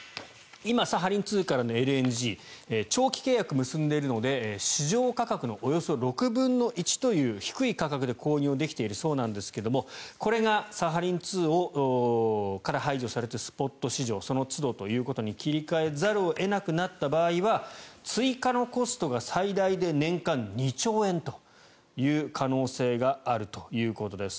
今、サハリン２からのＬＮＧ長期契約を結んでいるので市場価格のおよそ６分の１という低い価格で購入できているそうですがこれがサハリン２から排除されてスポット市場そのつどということに切り替えざるを得なくなった場合は追加のコストが最大で年間２兆円という可能性があるということです。